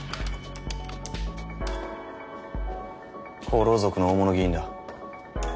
厚労族の大物議員だ。